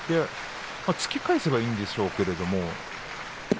突き返せばいいんでしょうけどね。